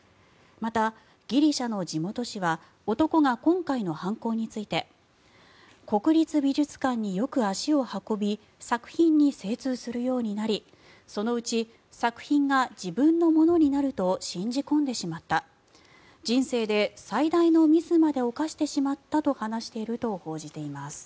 また、ギリシャの地元紙は男が今回の犯行について国立美術館によく足を運び作品に精通するようになりそのうち、作品が自分のものになると信じ込んでしまった人生で最大のミスまで犯してしまったと話していると報じています。